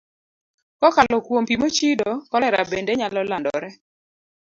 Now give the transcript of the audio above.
Kokalo kuom pi mochido, kolera bende nyalo landore.